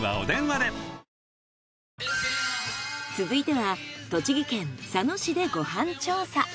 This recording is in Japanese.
続いては栃木県佐野市でご飯調査。